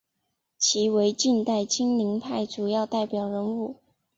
其为近代金陵派主要代表人物。